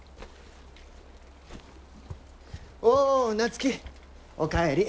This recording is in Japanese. おう夏樹お帰り。